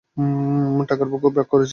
ঠাকুরপো খুব কি রাগ করিয়াছেন।